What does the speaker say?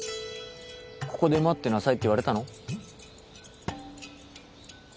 ここで待ってなさいって言われたの？